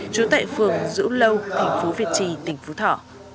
chú tệ phường dũng lâu tp việt trì tỉnh phú thọ